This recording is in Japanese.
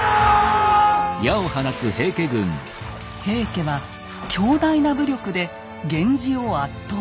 平家は強大な武力で源氏を圧倒。